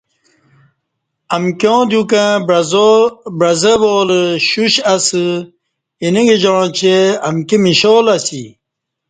امکیاں دیوکں بعزہ والہ شوش اسہ اینہ گجاعں چہ امکی میشالہ اسی